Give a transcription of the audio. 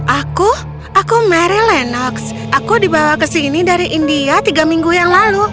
aku aku mary lennox aku dibawa kesini dari india tiga minggu yang lalu